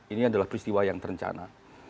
ini adalah peristiwa yang terencana